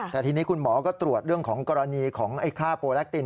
แต่ทีนี้คุณหมอก็ตรวจเรื่องของกรณีของไอ้ค่าโปรแลคติน